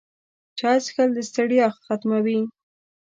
چای څښل د ستړیا ختموي